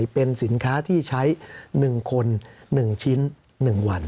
สำหรับกำลังการผลิตหน้ากากอนามัย